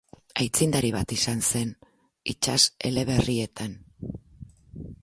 Aitzindari bat izan zen itsas eleberrietan.